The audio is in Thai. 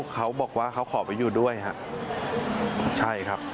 เขาบอกว่าเขาขอไปอยู่ด้วยครับใช่ครับ